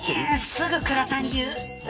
すぐ倉田に言う。